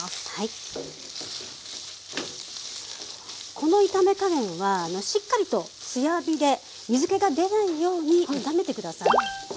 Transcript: この炒め加減はしっかりと強火で水けが出ないように炒めて下さい。